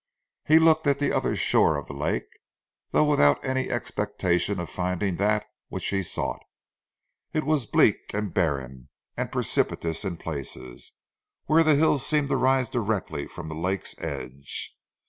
He looked at the other shore of the lake, though without any expectation of finding that which he sought. It was bleak and barren, and precipitous in places, where the hills seemed to rise directly from the lake's edge.